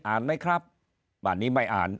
ไหมครับป่านนี้ไม่อ่าน